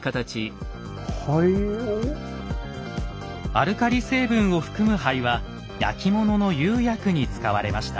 アルカリ成分を含む灰は焼き物の釉薬に使われました。